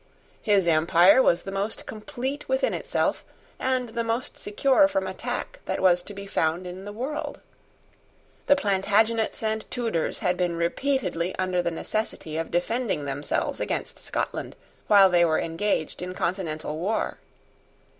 His empire was the most complete within itself and the most secure from attack that was to be found in the world. The Plantagenets and Tudors had been repeatedly under the necessity of defending themselves against Scotland while they were engaged in continental war.